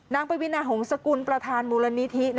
นางปวีนาหงศกุลประธานมูลณิธิ